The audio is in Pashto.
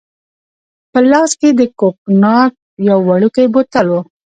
په لاس کې يې د کوګناک یو وړوکی بوتل وو.